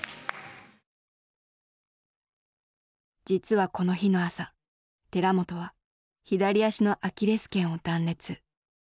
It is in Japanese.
実はこの日の朝寺本は左足のアキレス腱を断裂。